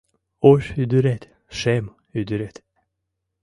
Ош ӱдырет, шем ӱдырет